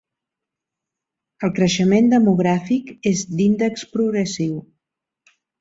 El creixement demogràfic és d'índex progressiu.